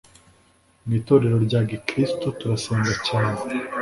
Mu itorero rya gikristo turasenga cyane